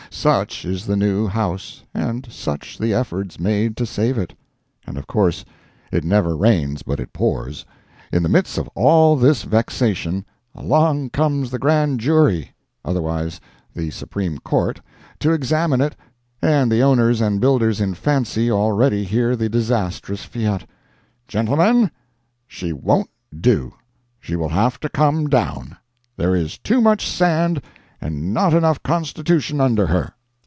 Such is the new house, and such the efforts made to save it. And of course it never rains but it pours—in the midst of all this vexation, along comes the Grand Jury, otherwise the Supreme Court, to examine it, and the owners and builders in fancy already hear the disastrous fiat: "Gentlemen, she won't do; she will have to come down; there is too much sand and not enough Constitution under her!"